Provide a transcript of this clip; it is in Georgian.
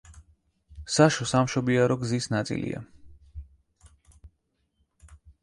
საშო სამშობიარო გზის ნაწილია.